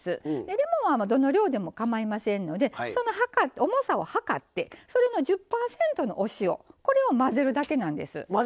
レモンはどの量でもかまいませんのでその重さを量ってそれの１０％のお塩を混ぜるだけなんです。